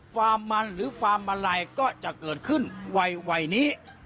ความมันหรือความมะไล่ก็จะเกิดขึ้นวัยนี้